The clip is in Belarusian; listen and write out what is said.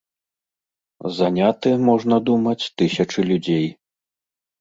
Заняты, можна думаць, тысячы людзей.